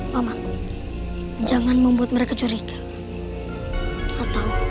paman jangan membuat mereka curiga